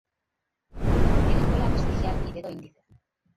Tienen cola vestigial y dedo índice.